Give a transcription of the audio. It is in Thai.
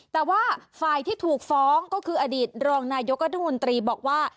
แต่ว่าไฟล์ที่ถูกฟ้องก็คืออดีตรองนายกเยาะยักษ์มนตรีบอกว่า